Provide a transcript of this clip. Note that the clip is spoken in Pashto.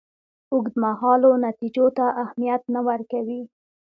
اوږدمهالو نتیجو ته اهمیت نه ورکوي.